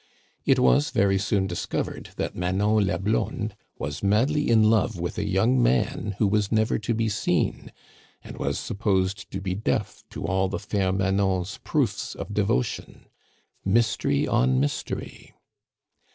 It was very soon discovered that Manon la Blonde was madly in love with a young man who was never to be seen, and was supposed to be deaf to all the fair Manon's proofs of devotion. Mystery on mystery.